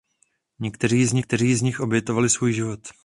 Někteří z nich obětovali svůj život.